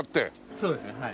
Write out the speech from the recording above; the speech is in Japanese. そうですねはい。